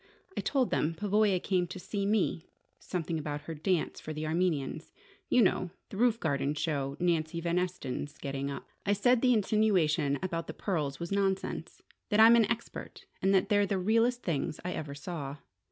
I told them Pavoya came to see me something about her dance for the Armenians: you know, the roof garden show Nancy Van Esten's getting up. I said the insinuation about the pearls was nonsense: that I'm an expert, and that they're the realest things I ever saw.